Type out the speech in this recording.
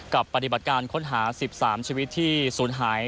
กับปฏิบัติการค้นหา๑๓ชีวิตที่สูญหาย